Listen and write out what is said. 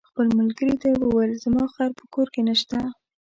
خپل ملګري ته یې وویل: زما خر په کور کې نشته.